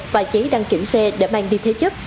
và giấy đăng kiểm xe để mang đi thế chấp